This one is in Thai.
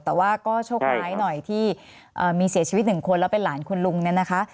แต่ว่าก็โชคร้ายหน่อยที่มีเสียชีวิตหนึ่งคนแล้วเป็นหลานคุณลุงเนี่ยนะคะ